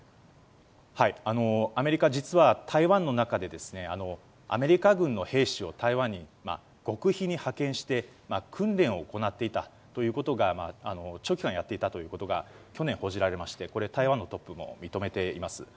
アメリカ、実は台湾の中でアメリカ軍の兵士を台湾に極秘に派遣して訓練を行っていたということを長期間やっていたということが去年、報じられまして台湾のトップが認めています。